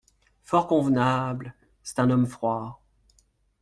Fort convenable… c’est un homme froid…